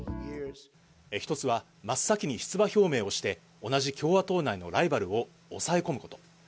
１つは真っ先に出馬表明をして同じ共和党内のライバルを抑え込むこと。